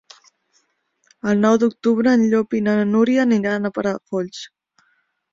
El nou d'octubre en Llop i na Núria aniran a Palafolls.